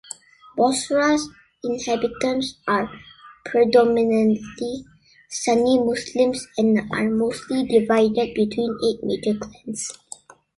Bosra's inhabitants are predominantly Sunni Muslims and are mostly divided between eight major clans.